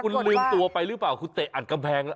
คุณลืมตัวไปหรือเปล่าคุณเตะอัดกำแพงแล้ว